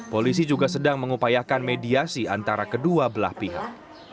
polisi juga sedang mengupayakan mediasi antara kedua belah pihak